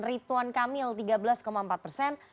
rituan kamil tiga belas empat persen